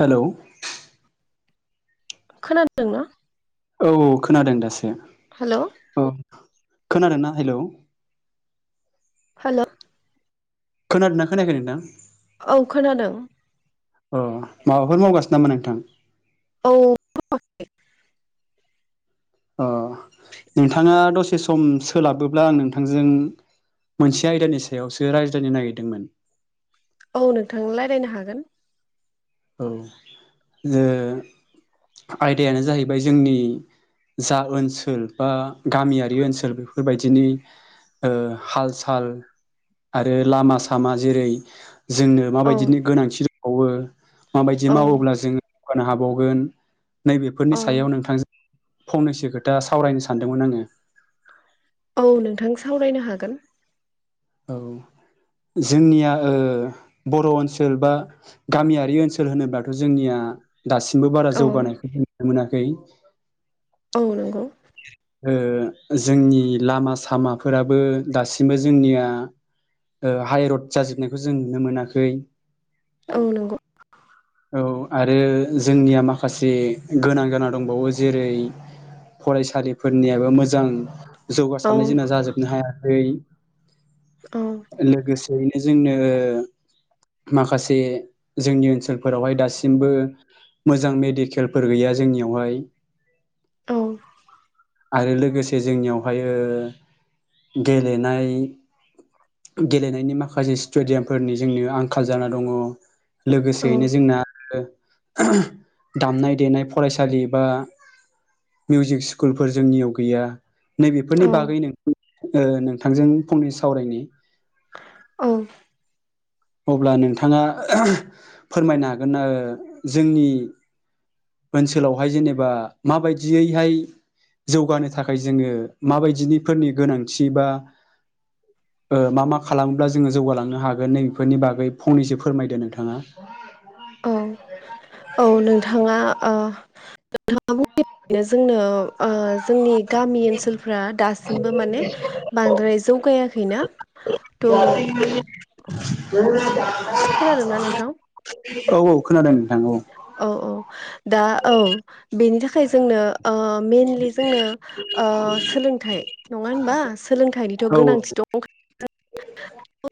Hello! खोनादोंना? औ औ खोनादों दासो हेल' औ। खोनादोंना? हेलौ! हेल'! खोनादोंना खोनायाखै नोंथां? औ खोनादों। अ माबाफोर मावगासिनो नामा नोंथां? औ मावाखै। अ नोंथाङा दसे सम सोलाबोब्ला आं नोंथांजों! मोनसे आयदानि सायावसो रायज्लायनो नागिरदोंमोन। औ नोंथां रायज्लायनो हागोन। औ ओ आयदायानो जाहैबाय जोंनि। जा ओनसोल बा गामियारि ओनसोल बेफोरबायदिनि ओ हाल-साल आरो लामा-सामा जेरै- जोंनो औ माबायदिनो गोनांथि दंबावो माबायदि औ मावोब्ला जोङो गानो हाबावगोन नै बेफोरनि औ सायाव नोंथांजों फंनैसो खोथा सावरायनो सानदोंमोन आङो औ नोंथां सावरायनो हागोन औ जोंनिया ओ बर' ओनसोल बा गामियारि ओनसोल होनोब्लाथ' जोंनिया दासिमबो बारा औ जौगानायखौ नुनो मोनाखै औ नंगौ ओ जोंनि लामा-सामाफोराबो दासिमबो जोंनिया ओ हायरड जाजोबनायखौ जों नुनो मोनाखै औ नंगौ औ आरो जोंनिया माखासे गोनां गोना दंबावो जेरै- फरायसालिफोरनियाबो मोजां औ जौगासारनाय जोंना जाजोबनो हायाखै औ लोगोसे ओरैनो जोंनो माखासे जोंनि ओनसोल फोरावहाय दासिमबो मोजां मेडिकेल फोर गैया जोंनियावहाय औ आरो लोगोसे जोंनियावहाय ओ गेलेनाय गेलेनायनि माखासे स्टेडियामफोरनि जोंनि आंखाल जाना दङ' लोगोसेयैनो जोंना ओ दामनाय देनाय फरायसालि बा मिउजिक स्कुलफोर जोंनियाव गैया नै औ बेफोरनि बागै ओ नोंथांजों फंनैसो सावरायनि। औ अब्ला नोंथाङा फोरमायनो हागोन ना ओ जोंनि ओनसोलावहाय जेनेबा मा बायदियै हाय जौगानो थाखाय जोङो मा बायदिनि फोरनि गोनांथि बा ओ मा मा खालामोब्ला जोङो जौगालांनो हागोन? नै बेफोरनि बागै फंनैसो फोरमायदो नोंथाङा। औ औ नोंथाङा ओ नोंथाङा बुंनो जोंनो जोंनि गामि ओनसोलफ्रा दासिमबो माने बांद्राय जौगायाखै ना। [inaudible] खोनादोंना नोंथां औ औ खोनादों नोंथां औ। औ औ दा औ बेनि थाखाय जोंनो ओ मेनलि जोंनो ओ सोलोंथाइ नङा होनबा? सोलोंथाइनिथ' औ गोनांथि दं [unintelligible] ओ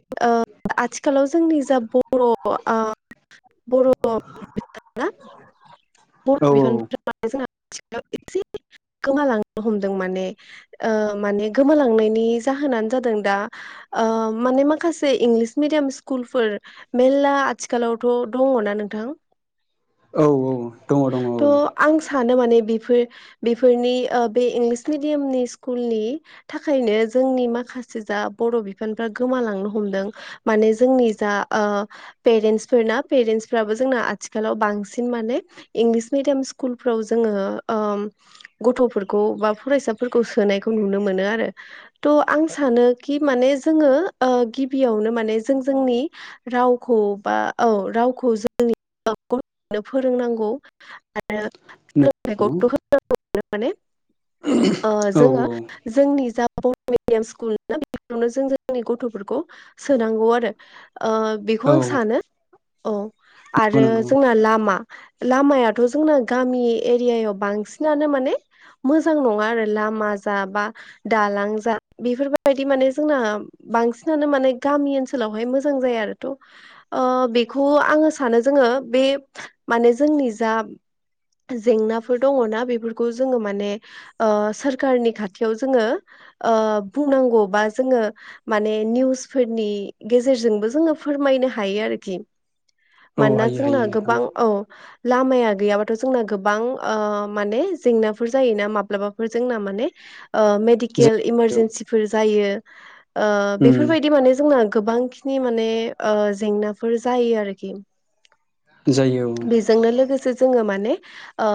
आथिखालाव जोंनि जा बर' ओ बर' [inaudible] औ गोमालांनो हमदों माने ओ माने गोमालांनायनि जाहोनानो जादों दा ओ माने माखासे इंलिस मिडियाम स्कुलफोर मेरला आथिखालावथ' दङ। ना नोंथां औ औ दङ दङ औ। थ' आं सानो माने बेफोर बेफोरनि बे इंलिस मिडियामनि स्कुलनि थाखायनो जोंनि माखासे जा बर' बिफानफ्रा गोमालांनो हमदों माने जोंनि जा ओ पेरेन्टसफोर ना पेरेन्टस फोराबो जोंना आथिखालाव बांसिन माने इंलिस मिडियाम स्कुलफ्राव जोङो ओ गथ'फोरखौ बा फरायसाफोरखौ सोनायखौ नुनो मोनो आरो थ' आं सानो कि माने जोङो ओ गिबियावनो माने जों जोंनि रावखौ बा औ रावखौ जों [inaudible] नो फोरोंनांगौ। आरो सोलोंथाइखौ नोंगौ। गुरुत्व [unintelligible] ओ औ जोङो जोंनि जा बर' मिडियाम स्कुल [inaudible] जों जोंनि गथ'फोरखौ सोनांगौ आरो। ओ बेखौ आं औ सानो औ। नंगौ आरो नंगौ जोंना लामा लामायाथ' जोंना गामि एरियायाव बांसिनानो माने मोजां नङा आरो लामा जा बा दांलां जा बेफोरबायदि माने जोंना बांसिनानो माने गामि ओनसोलावहाय मोजां जाया आरोथ' ओ बेखौ आंङो सानो जोङो बे माने जोंनि जा जेंनाफोर दङना बेफोरखौ जोङो माने ओ सोरखारनि खाथियाव जोङो ओ बुंनांगौ बा जोङो माने निउसफोरनि गेजेरजोंबो जोङो फोर मायनो हायो आरोखि [inaudible] मानोना जोंना हायो नोंथां गोबां औ। लामाया गैयाबाथ' जोंना गोबां ओ माने जेंनाफोर जायोना माब्लाबाफोर जोंना माने ओ मेडिकेल जायो इमारजेन्सिफोर जायो ओ उम बेफोरबायदि माने जोंना गोबांखिनि माने ओ जेंनाफोर जायो आरोखि जायो बेजोंनो लोगोसे जोङो माने ओ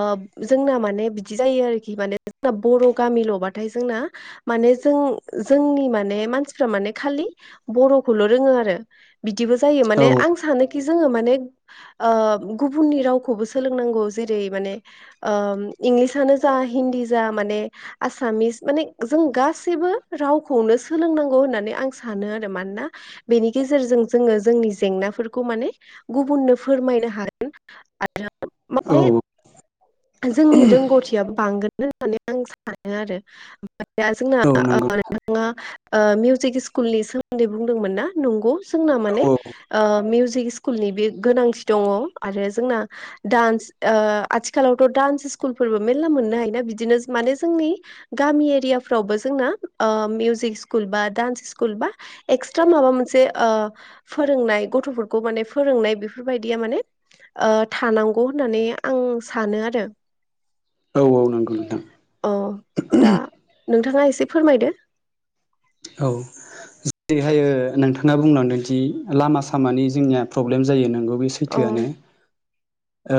जोंना माने बिदि जायो आरोखि माने जोंना बर' गामिल'बाथाय जोंना माने जों जोंनि माने मानसिफ्रा माने खालि बर'खौल' रोङो आरो। बिदिबो जायो औ माने आं सानोखि जोङो मान ओ गुबुननि रावखौबो सोलोंनांगौ जेरै माने ओ इंलिस जा हिन्दी जा माने आसामिस माने जों गासैबो रावखौनो सोंलों नांगौ आं सानो आरो मानोना बेनि गेजेरजों जोङो जोंनि जेंनाफोरखौ माने गुबुननो फोरमायनो हागोन। [inaudible] औ माने जोंनि रोंगौथियाबो बांगोन। होननानै आं सानो आरो ओमफ्राय दा जोंना औ नंगौ नोंथाङा ओ मिउजिक स्कुलनि सोमोन्दै बुंदोंमोन ना नंगौ जोंना औ माने ओ मिउजिक स्कुलनि बे गोनांथि दङ आरो जोंना डान्स ओ आथिखालावथ' डान्स स्कुलफोर बो मेल्ला मोननो हायोना बिदिनो माने जोंनि गामि एरियाफोरावबो जोंना ओ मिउजिक स्कुल बा डान्स स्कुल बा एस्थ्रा माबा मोनसे ओ फोरोंनाय गथ' फोरखौ माने सनाय बेफोरबायदिया माने ओ थानांगौ होननानै आं सानो आरो। [inaudible] औ नांगौ नोंथां। औ दा नोंथाङा एसे फोरमायदो औ। जेरैहायो ओ नोंथाङा बुंलांदोंदि लामा सामानि जोंनिया प्रब्लेम जायो नोंगौ बे औ सैथोआनो ओ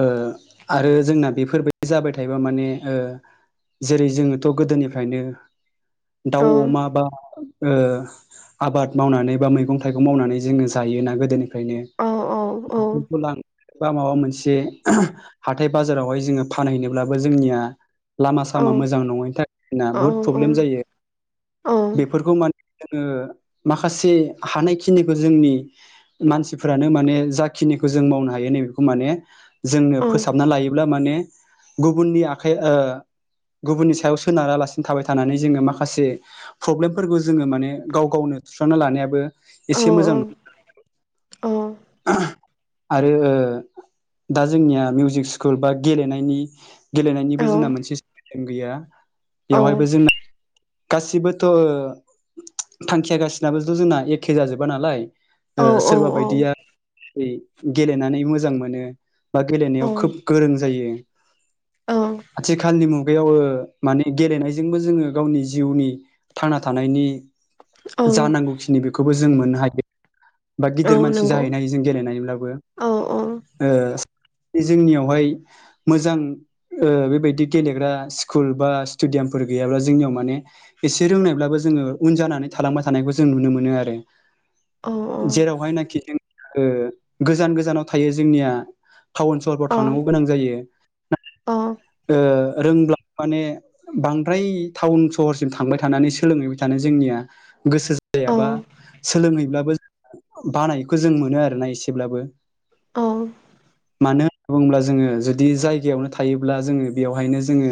आरो जोंना बेफोरबायदि जाबाय थायोबा माने ओ जेरै जोङोथ' गोदोनिफ्रायनो दाउ औ अमा बा। ओ आबाद मावनानै बा मैगं थाइगं मावनानै जोङो जायोना गोदोनि औ औ औ फ्रायनो लां बा माबा मोनसे जे हाथाय बाजारावहाय जोङो फानहैनोब्लाबो जोंनिया। लामा औ सामा मोजां नङैनि थाखायना औ बुहुद औ प्रब्लेम जायो औ बेफोरखौ माने जोङो माखासे हानायखिनिखौ जोंनि मानसिफोरानो माने जाखिनिखौ जों मावनो हायो नैबेखौ माने‌ जोंनो औ फोसाबना लायोब्ला माने गुबुननि आखाइ गुबुननि सायाव सोनारालासिनो थाबाय थानानै जोङो माखासे प्रब्लेमफोरखौ जोङो माने गाव गावनो सुस्रांना लानायाबो औ एसे मोजां नङा [unintelligible] आरो ओ दा जोंनिया मिउजिक स्कुल बा गेलेनायनि गेलेनायनिबो जोंना मोनसे सिस्टेम गैया बेवहायबो जोंना गासिबोथ' थांखियाागासिनाबोथ' जोंना एखे जाजोबा नालाय औ सोरबा बायदियाै दिनै गेलेनानै मोजां मोनो। बा गेलेनायाव खोब गोरों जायो। औ आथिखालनि मुगायाव माने गेलेनायजोंबो जोङो गावनि जिउनि थांना थानायनि औ जानांगौखिनि बेखौबो जों मोननो हायो। बा औ गिदिर मानसि नंगौ जाहैनो हायोजों गेलेनायब्लाबो औ औ ओ बे जोंनियावहाय मोजां। ओ बेबायदि गेलेग्रा स्कुल बा स्टेडियामफोर गैयाब्ला जोंनियाव माने एसे रोंनायब्लाबो जोङो उनजानानै थालांबाय थानायखौ जों नुनो मोन आरो। औ जेरावहायनाखि जों ओ गोजान गोजानाव थायो जोंनिया टाउन औ सहरफ्राव थांनांगौ गोनां जायो। औ ओ रोंब्ला माने बांद्राय टाउन सहरसिम थांबाय थानानै सोलोंहैबाय थानो जोंनिया गोसो औ जायाबा सोलोंहैब्लाबो बानायखौ जों मोनो आरोना एसेब्लाबो औ। मानो होननानै बुङोब्ला जोङो जुदि जायगायावनो थायो। अब्ला जोङो बेवहायनो जोङो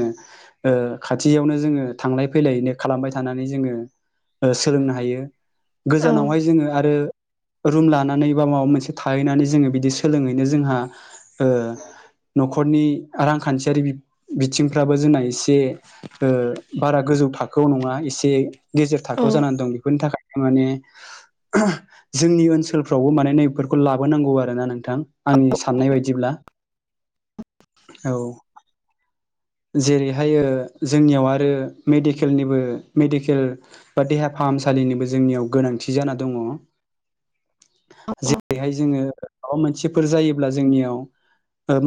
ओ खाथियावनो जोङो थांलाय फैलायनो खालामबाय थानानै जोङो सोलोंनो हायो गोजानावहाय जोङो आरो। रुम लानानै बा माबा मोनसे थाहैनानै जोङो बिदि सोलोङैनो जोंहा ओ। न'खरनि रां रांखान्थियारि बिथिंफ्राबो जोंना एसे बारा गोजौ थाखोआव नङा एसे गेजेर थाखोआव जानानै दं बेफोरनि थाखायनो माने जोंनि ओनसोलफ्रावबो मान नफोरखौ लाबोनांगौ आरोना नोंथां आंनि साननाय बायदिब्ला [inaudible] औ। जेरैहायो ओ जोंनियाव आरो मेडिकेलनिबो मेडिकेल बा देहा फाहामसा सालिनिबो जोंनियाव गोनांथि जाना दङो जेरैहाय जोङो माबा मोनसेफोर जायोब्ला जोंनियाव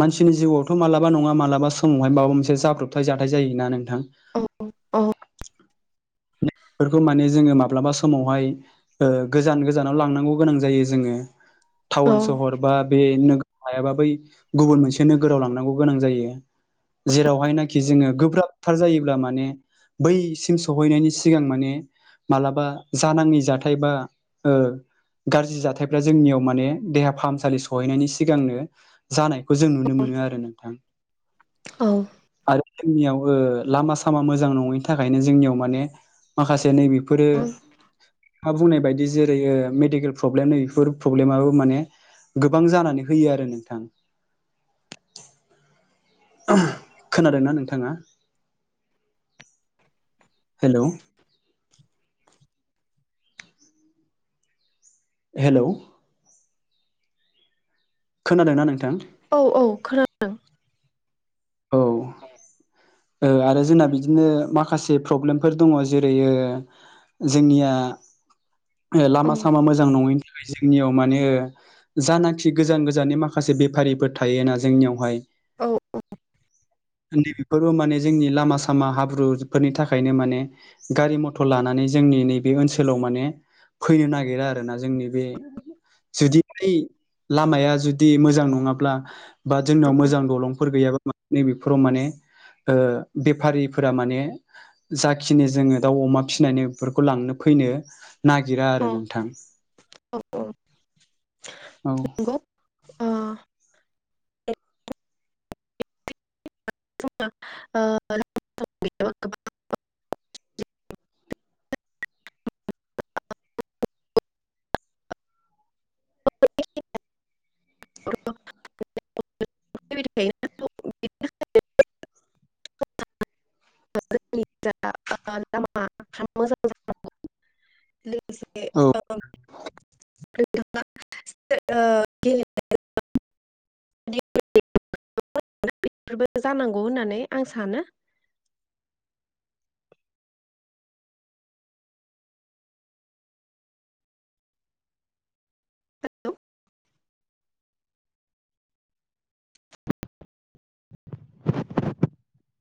मानसिनि जिउआवथ माबा नङा मालाबा समावहाय माबा मोनसे जाब्रबथाय जाथाय जायोना नोंथां। फोरखौ माने जोङो माब्लाबा समावहाय ओ गोजान गोजानाव लांनांगौ गोनां जायो जोङो। टाउन औ सहर बा बे नो हायाबा बै गुबुन मोनसे नोगोराव लांनांगौ गोनां जायो। जेरावहायनाखि जोङो गोब्राबथार जायोब्ला माने बैसिम सहैनायनि सिगां माने मालाबा जानाङि जाथाय बा ओ गाज्रि जाथायफ्रा जोंनियाव माने देहा फाहामसालि सहैनायनि सिगांनो जानाय खौ जों नुनो मोनो आरो नोंथां आरो जोंनियाव ओ लामा सामा मोजां नङैनि थाखायनो जोंनियाव माने माखासे नैबे बेफोरो हा बुंनाय बायदि जेरै ओ मेडिकेल प्रब्लेम नै बेफोर प्रब्लेमाबो माने गोबां जानानै होयो आरो नोंथां। खोनादोंना नोंथाङा? हेलौ। हेलौ। खोनादोंना नोंथां? औ औ खोनादों। औ ओ आरो जोंना बिदिनो माखासे प्रब्लेमफोर दङ' जेरै ओ जोंनिया औ लामा सामा मोजां नङैनि थाखाय जोंनियाव माने जानाखि गोजान गोजाननि माखासे बेफारिफोर थायोना जोंनियावहाय औ औ। नैबेफोरबो माने जोंनि लामा सामा हाब्रुफोरनि थाखायनो माने गारि मथर लानानै जों नि नैबे ओनसोलाव माने फैनो नागिरा आरोना जोंनि बे जुदि बै लामाया जुदि मोजां नङाब्ला बा जोंनाव मोजां दलंफोर गैयाबा नै बेफोराव माने ओ बेफारिफोरा माने जाखिनि जोङो दाउ अमा फिसिनायनि बेफोरखौ लांनो फै फैनो नागिरा औ आरो औ नोंथां औ औ। नंगौ [unintelligible] [unintelligible] [unintelligible] [unintelligible] औ [unintelligible] [unintelligible] [unintelligible] [unintelligible] बेफोरबो जानांगौ होननानै आं सानो।